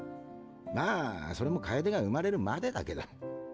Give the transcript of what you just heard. まぁそれも楓が産まれるまでだけど。